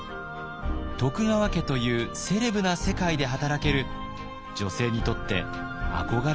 徳川家というセレブな世界で働ける女性にとって憧れの職場だったのです。